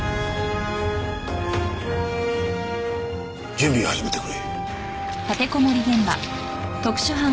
準備を始めてくれ。